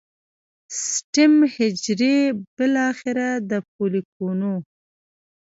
سټیم حجرې بالاخره د فولیکونو